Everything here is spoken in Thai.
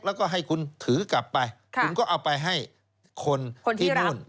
แล้วก็ให้คุณถือกลับไปคุณก็เอาไปให้คนที่นู่น